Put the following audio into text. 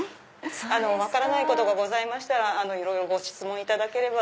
分からないことがございましたらご質問いただければ。